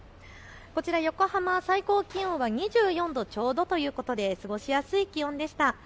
横浜、最高気温が２４度ちょうどということで過ごしやすい気温でした。